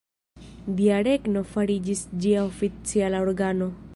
Dia Regno fariĝis ĝia oficiala organo.